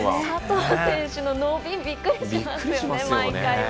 佐藤選手の伸びびっくりしますよね。